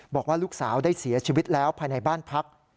บอกว่าลูกสาวได้เสียชีวิตแล้วภายในบ้านพัก